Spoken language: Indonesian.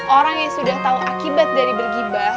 orang yang sudah tahu akibat dari bergibah